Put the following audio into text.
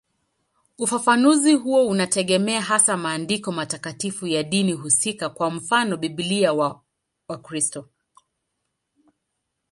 Ufafanuzi huo unategemea hasa maandiko matakatifu ya dini husika, kwa mfano Biblia kwa Wakristo.